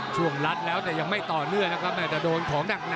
รัดแล้วแต่ยังไม่ต่อเนื่องนะครับแม้แต่โดนของหนัก